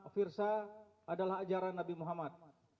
firsa adalah ajaran nabi muhammad